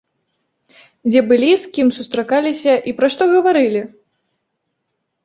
Дзе былі, з кім сустракаліся і пра што гаварылі?